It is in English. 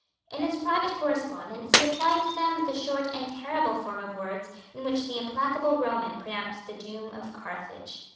In his private correspondence he applied to them the short and terrible form of words in which the implacable Roman pronounced the doom of Carthage.